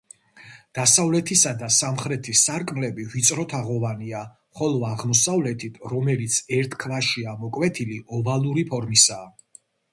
დასავლეთისა და სამხრეთის სარკმლები ვიწრო თაღოვანია, ხოლო აღმოსავლეთით, რომელიც ერთ ქვაშია ამოკვეთილი, ოვალური ფორმისაა.